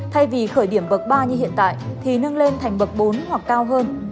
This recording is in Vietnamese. thay vì khởi điểm bậc ba như hiện tại thì nâng lên thành bậc bốn hoặc cao hơn